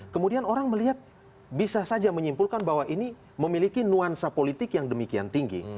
kemudian orang melihat bisa saja menyimpulkan bahwa ini memiliki nuansa politik yang demikian tinggi